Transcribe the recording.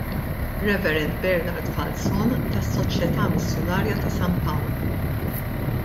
Rev. Bernard Falzon tas-Soċjeta' Missjunarja ta' San Pawl.